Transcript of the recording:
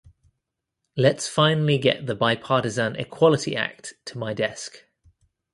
let’s finally get the bipartisan Equality Act to my desk.